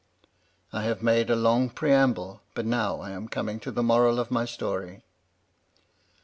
I have made a long preamble, but now I am coming to the moral of my story."